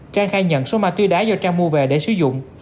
trang khai nhận số ma túy đá do trang mua về để sử dụng